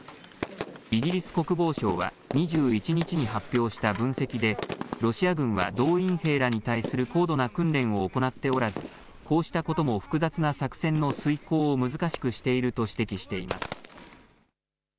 イギリス国防省は２１日に発表した分析でロシア軍は動員兵らに対する高度な訓練を行っておらず、こうしたことも複雑な作戦の遂行を難しくしていると指摘しています。